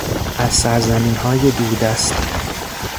از سرزمینهای دوردست